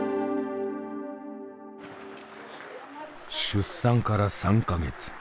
出産から３か月。